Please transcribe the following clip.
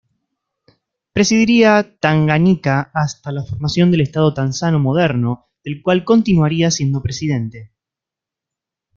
Presidiría Tanganica hasta la formación del estado tanzano moderno, del cual continuaría siendo presidente.